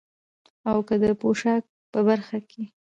او که د پوشاک په برخه کې،